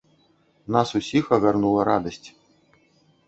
Нас усіх агарнула радасць.